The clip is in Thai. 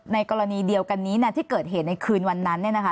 ในกรณีเดียวกันนี้นะที่เกิดเหตุในคืนวันนั้นเนี่ยนะคะ